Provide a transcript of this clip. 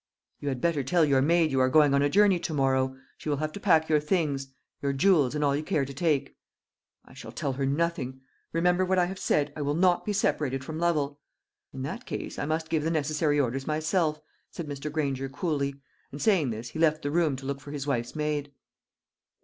"You had better tell your maid you are going on a journey to morrow. She will have to pack your things your jewels, and all you care to take." "I shall tell her nothing. Remember what I have said I will not be separated from Lovel!" "In that case, I must give the necessary orders myself," said Mr. Granger coolly, and saying this he left the room to look for his wife's maid.